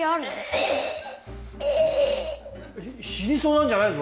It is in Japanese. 死にそうなんじゃないぞ。